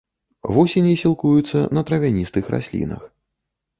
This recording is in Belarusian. Вусені сілкуюцца на травяністых раслінах.